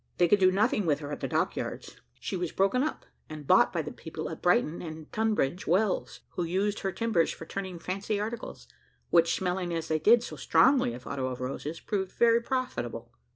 They could do nothing with her at the dock yards. She was broken up, and bought by the people at Brighton and Tunbridge Wells, who used her timbers for turning fancy articles, which, smelling as they did so strongly of otto of roses, proved very profitable.